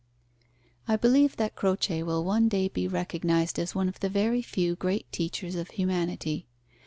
I believe that Croce will one day be recognized as one of the very few great teachers of humanity.